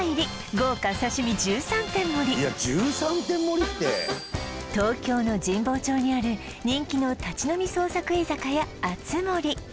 豪華刺身１３点盛りいや１３点盛りって東京の神保町にある人気の立ち飲み創作居酒屋あつ盛